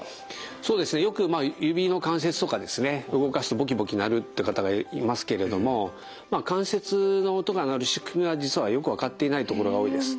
そうですねよく指の関節とかですね動かすとボキボキ鳴るって方がいますけれども関節の音が鳴る仕組みは実はよく分かっていないところが多いです。